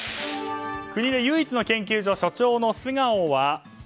国で唯一の研究所所長の素顔は。